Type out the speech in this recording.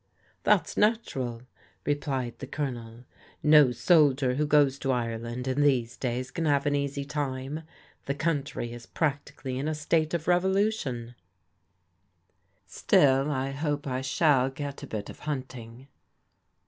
"That's natural," replied the Colonel. "No soldier who goes to Ireland in these days can have an easy time. The country is practically in a state of revolution/' " Still I hope I shall get a bit of hunting."